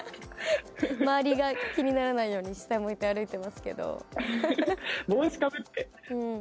周りが気にならないように下向いて歩いてますけど。